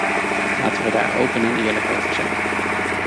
Laten we daar open en eerlijk over zijn.